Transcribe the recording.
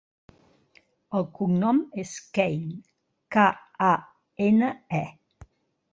El cognom és Kane: ca, a, ena, e.